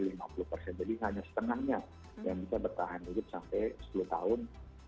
jadi hanya setenangnya yang bisa bertahan hidup sampai sepuluh tahun